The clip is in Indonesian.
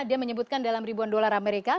dia menyebutkan dalam ribuan dolar amerika